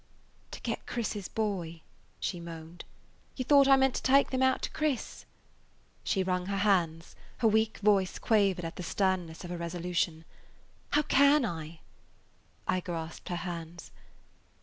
"To get Chris's boy," she moaned. "You thought I meant to take them out to Chris?" She wrung her hands; her weak voice quavered at the sternness of her resolution. "How can I?" I grasped her hands.